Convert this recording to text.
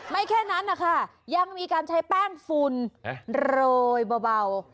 แค่นั้นนะคะยังมีการใช้แป้งฝุ่นโรยเบา